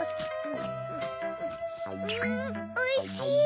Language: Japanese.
んおいしい！